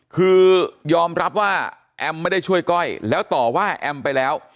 คือยอมรับว่าแอมไม่ได้ช่วยก้อยแล้วต่อว่าแอมไปแล้ว